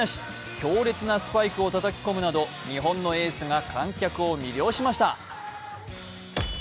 強烈なスパイクをたたき込むなど、日本のエースが観客を魅了しました。